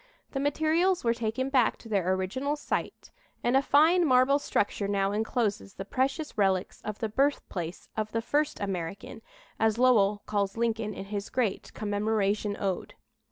The materials were taken back to their original site, and a fine marble structure now encloses the precious relics of the birthplace of "the first American," as Lowell calls Lincoln in his great "Commemoration Ode."